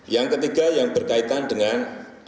yang ketiga yang berkaitan dengan